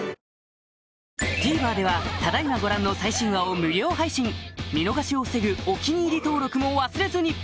ＴＶｅｒではただ今ご覧の最新話を無料配信見逃しを防ぐお気に入り登録も忘れずに！